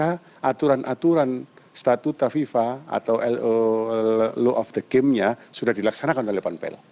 karena aturan aturan statuta fifa atau law of the game nya sudah dilaksanakan oleh panpel